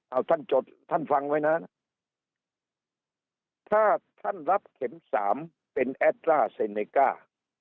เอาท่านจดท่านฟังไว้นะถ้าท่านรับเข็มสามเป็นแอดร่าเซเนก้า